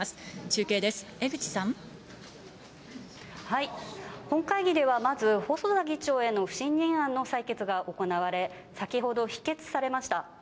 中継です、本会議ではまず、細田議長への不信任案の採決が行われ、先ほど、否決されました。